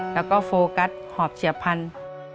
แล้วก็โฟกัสหอบเฉียบพันธุ์